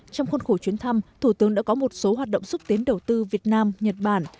trong khuôn khổ chuyến thăm thủ tướng đã có một số hoạt động xúc tiến đầu tư việt nam nhật bản